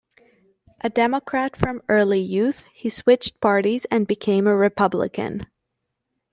A Democrat from early youth, he switched parties and became a Republican.